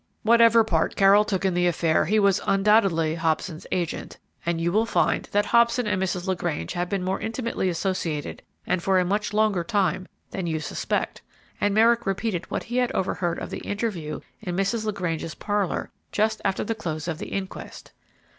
"Whatever part Carroll took in the affair, he was undoubtedly Hobson's agent; and you will find that Hobson and Mrs. LaGrange have been more intimately associated and for a much longer time than you suspect," and Merrick repeated what he had overheard of the interview in Mrs. LaGrange's parlor, just after the close of the inquest.